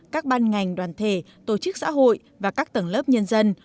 các ban ngành đoàn thể tổ chức xã hội và các tầng lớp nhân dân